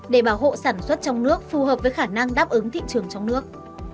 để bảo hộ sản xuất trong nước phù hợp với khả năng đáp ứng thị trường trong nước